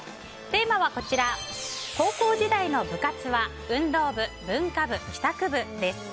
テーマは高校時代の部活は運動部・文化部・帰宅部です。